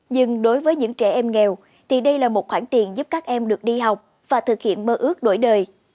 nhưng đối với những trẻ em nghèo thì đây là một khoản tiền giúp các em được đi học và thực hiện mơ ước đổi đời